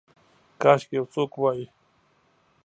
کاشکي یو څوک وی